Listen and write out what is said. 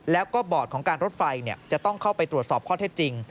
แล้วก็บอร์ดของการรถไฟจะต้องเข้าไปตรวจสอบข้อเท็จจริง